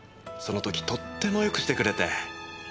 その時とってもよくしてくれて。